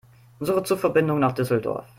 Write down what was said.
Suche Zugverbindungen nach Düsseldorf.